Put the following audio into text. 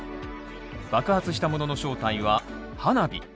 爆発したものの正体は、花火